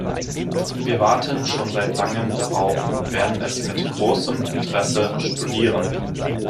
Wir warten schon seit Langem darauf und werden es mit großem Interesse studieren.